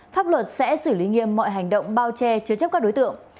pháp luật sẽ xử lý nghiêm mọi hành động bao che chứa chấp các đối tượng